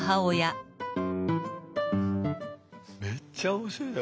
めっちゃ面白いな。